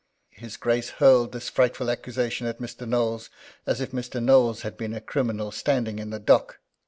His Grace hurled this frightful accusation at Mr. Knowles, as if Mr. Knowles had been a criminal standing in the dock.